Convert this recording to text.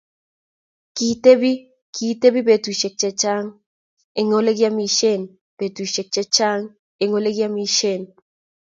Kitebi Kitebi betushiek chechang eng olegiamishen betushiek chechang eng olegiamishen